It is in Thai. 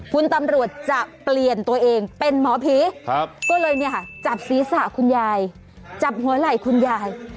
คุณตำรวจจะเปลี่ยนตัวเองเป็นหมอผีก็เลยเนี่ยค่ะจับศีรษะคุณยายจับหัวไหล่คุณยาย